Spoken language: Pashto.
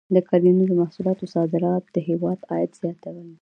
د کرنیزو محصولاتو صادرات د هېواد عاید زیاتوي.